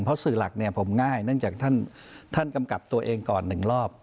เพราะสื่อหลักเนี่ยผมง่ายเนื่องจากท่านกำกับตัวเองก่อน๑รอบ